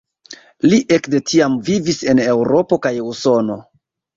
Li ekde tiam vivis en Eŭropo kaj Usono.